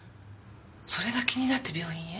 それが気になって病院へ？